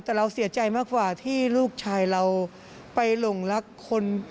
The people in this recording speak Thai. แต่เราเสียใจมากกว่าที่ลูกชายเราไปหลงรักคน